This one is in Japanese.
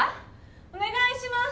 おねがいします！